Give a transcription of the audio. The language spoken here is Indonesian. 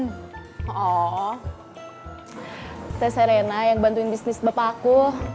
teteh saya rena yang bantuin bisnis bapak aku